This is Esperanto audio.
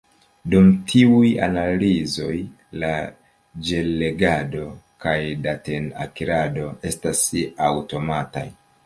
Dum tiuj analizoj, la ĝel-legado kaj daten-akirado estas aŭtomataj.